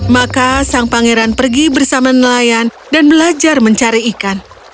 maka sang pangeran pergi bersama nelayan dan belajar mencari ikan